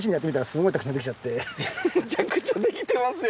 むちゃくちゃできてますよ